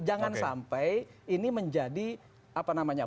jangan sampai ini menjadi apa namanya